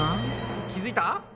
気付いた？